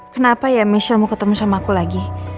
kenapa ya michelle mau ketemu sama aku lagi